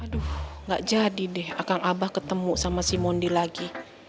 aduh gak jadi deh akan abah ketemu sama si mondi lagi